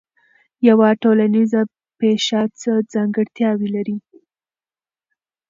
یوه ټولنیزه پېښه څه ځانګړتیاوې لري؟